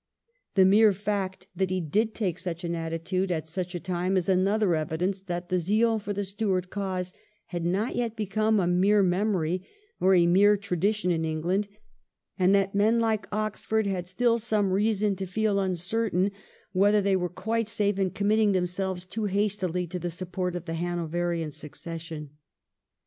The mere fact that he did take such an attitude at such a time is another evidence that the zeal for the Stuart cause had not yet become a mere memory or a mere tradition in England, and that men like Oxford had stiU some reason to feel uncertain whether they were quite safe in committing themselves too hastily to the support of the Hanoverian succession.